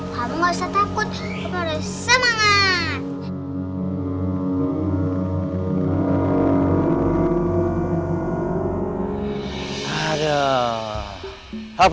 kamu gak usah takut kamu harus semangat